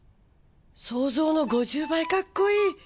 想像の５０倍かっこいい！